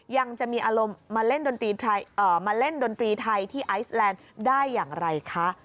ยังมีอารมณ์มาเล่นมาเล่นดนตรีไทยที่ไอซแลนด์ได้อย่างไรคะ